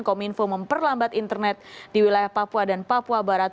kominfo memperlambat internet di wilayah papua dan papua barat